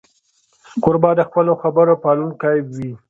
کوربه د خپلو خبرو پالونکی وي.